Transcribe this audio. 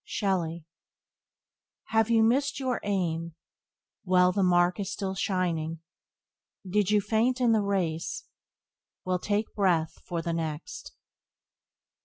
—Shelley. "Have you missed in your aim? Well, the mark is still shining. Did you faint in the race? Well, take breath for the next."